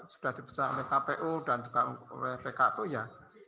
sudah diputuskan oleh kpu dan pkp ya